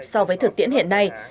so với thực tiễn hiện nay